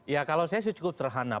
ya kalau saya cukup serhana